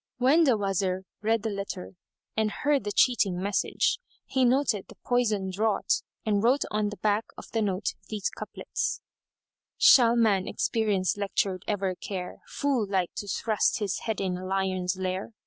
When the Wazir read the letter and heard the cheating message, he noted the poison draught[FN#178] and wrote on the back of the note these couplets, "Shall man experience lectured ever care * Fool like to thrust his head in lion's lair?